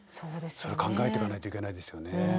それ考えていかないといけないですよね。